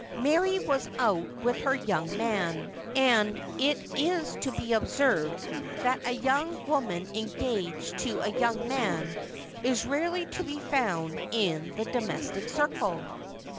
Mary was out with her young man ; and it is to be observed that a young woman engaged to a young man is rarely to be found in the domestic circle.